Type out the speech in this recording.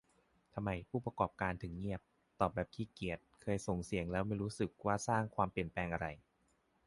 ทำไม "ผู้ประกอบการ" ถึงเงียบ ตอบแบบขี้เกียจก็คือ เคยส่งเสียงแล้วไม่รู้สึกว่าสร้างความเปลี่ยนแปลงอะไร